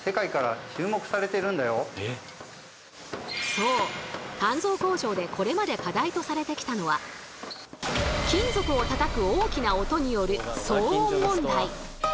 そう鍛造工場でこれまで課題とされてきたのは金属を叩く大きな音による騒音問題。